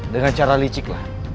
dengan cara licik